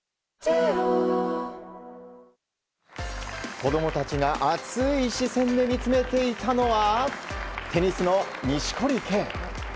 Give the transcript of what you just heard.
子供たちが熱い視線で見つめていたのはテニスの錦織圭。